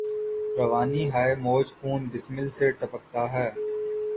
روانی ہاۓ موج خون بسمل سے ٹپکتا ہے